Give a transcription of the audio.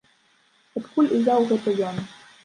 Адкуль узяў гэта ён?